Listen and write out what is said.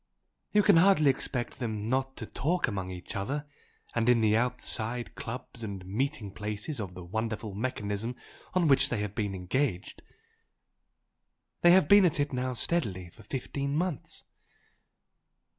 You can hardly expect them not to talk among each other and in the outside clubs and meeting places of the wonderful mechanism on which they have been engaged. They have been at it now steadily for fifteen months."